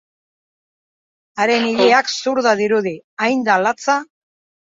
Haren ileak zurda dirudi, hain da latza.